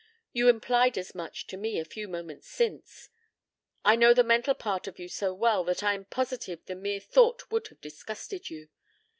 You implied as much to me a few moments since. I know the mental part of you so well that I am positive the mere thought would have disgusted you.